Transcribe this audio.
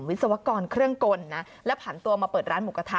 วิศวกรเครื่องกลนะและผ่านตัวมาเปิดร้านหมูกระทะ